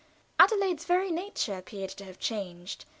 Adelaide's very nature appeared to have changed.